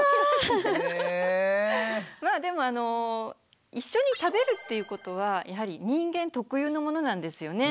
まあでも一緒に食べるっていうことはやはり人間特有のものなんですよね。